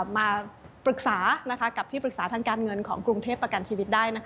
มาปรึกษากับที่ปรึกษาทางการเงินของกรุงเทพประกันชีวิตได้